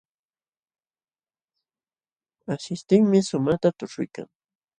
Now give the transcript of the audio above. Asishtinmi shumaqta tuśhuykan.